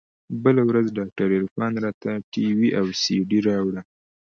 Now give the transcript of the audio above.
بله ورځ ډاکتر عرفان راته ټي وي او سي ډي راوړه.